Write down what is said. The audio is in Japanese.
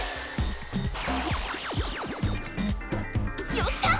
・よっしゃあ！